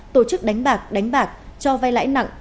tổ chức đánh bạc đánh bạc cho vay lãi nặng